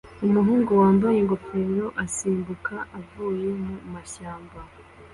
Umuhungu wambaye ingofero asimbuka avuye mu mashyamba